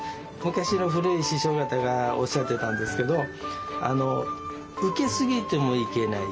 昔の古い師匠方がおっしゃってたんですけどウケすぎてもいけない。